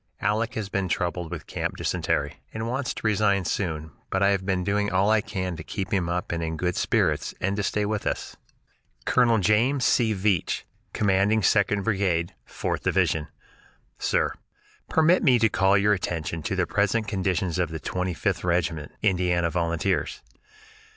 "Aleck has been troubled with camp dysentery, and wants to resign soon but I have been doing all I can to keep him up and in good spirits, and to stay with us." Col. James C. Veatch, Commanding Second Brigade, Fourth Division. Sir: Permit me to call your attention to the present condition of the Twenty fifth Regiment, Indiana Volunteers.